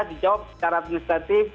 saya kira jawab secara administratif